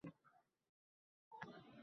U yoqdan-bu yoqqa g‘izillayotgan sharpalar